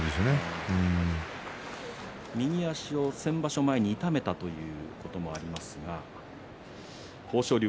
先場所は右足を場所前に痛めたということがありますが豊昇龍